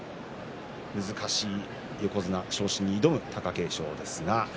難しい横綱昇進に挑む貴景勝です。